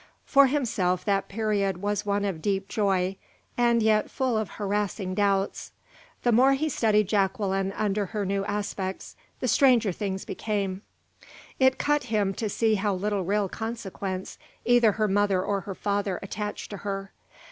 For himself that period was one of deep joy, and yet full of harassing doubts. The more he studied Jacqueline under her new aspects, the stranger things became. It cut him to see how little real consequence either her mother or her father attached to her.